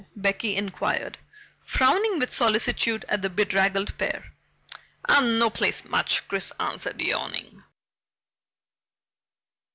Becky inquired, frowning with solicitude at the bedraggled pair. "Oh, no place much," Chris answered, yawning.